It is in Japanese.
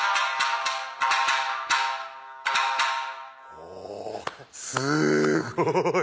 おぉすごい。